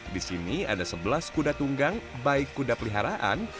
di sini ada sebelas kuda tunggang baik kuda peliharaan